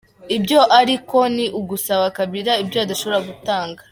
Ibyo ariko ni ugusaba Kabila ibyo adashobora gutanga.